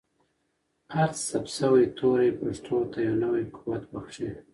هر ثبت شوی توری پښتو ته یو نوی قوت بښي.